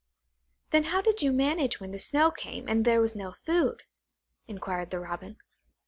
"Then how did you manage when the snow came, and there was no food?" inquired the Robin.